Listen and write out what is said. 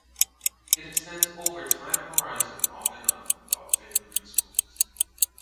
It extends over time horizon long enough to obtain resources.